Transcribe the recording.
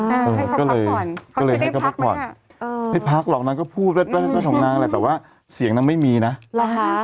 อ่าให้เขาพักก่อนเขาคือได้พักไหมฮะเออไม่พักหรอกนางก็พูดแล้วแล้วก็ส่งนางแหละแต่ว่าเสียงนางไม่มีนะหรอฮะ